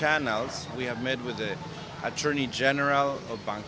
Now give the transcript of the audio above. kami telah bertemu dengan aturani jeneral banka